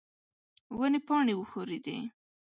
ونې پاڼې وښورېدې.